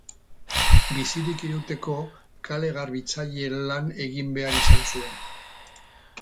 Bizirik irauteko, kale garbitzaile lan egin behar izan zuen.